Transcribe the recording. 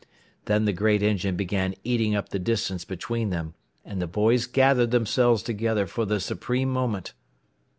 Then the great engine began eating up the distance between them, and the boys gathered themselves together for the supreme moment.